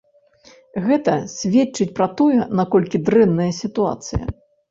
Гэта сведчыць пра тое, наколькі дрэнная сітуацыя.